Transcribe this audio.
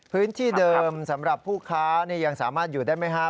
พื้นที่เดิมสำหรับผู้ค้ายังสามารถอยู่ได้ไหมครับ